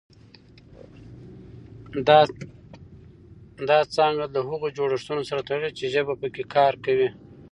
دا څانګه له هغو جوړښتونو سره تړلې چې ژبه پکې کار کوي